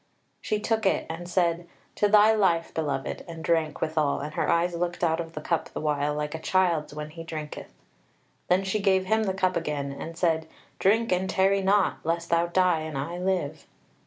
She took it and said: "To thy life, beloved!" and drank withal, and her eyes looked out of the cup the while, like a child's when he drinketh. Then she gave him the cup again and said: "Drink, and tarry not, lest thou die and I live."